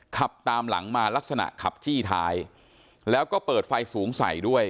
ขับตามหลังมาลักษณะขับจี้ท้ายแล้วก็เปิดไฟสูงใส่ด้วย